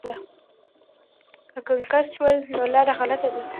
که ګنګس شول نو لاره غلطه ده.